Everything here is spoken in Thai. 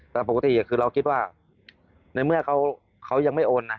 แต่ปกติคือเราคิดว่าในเมื่อเขายังไม่โอนนะ